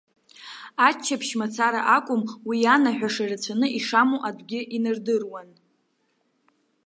Аччаԥшь мацара акәым, уи ианаҳәаша рацәаны ишамоу атәгьы инардыруан.